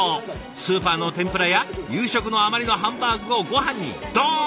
スーパーの天ぷらや夕食の余りのハンバーグをごはんにドーン。